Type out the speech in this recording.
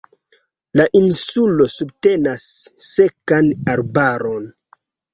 La insulo subtenas sekan arbaron.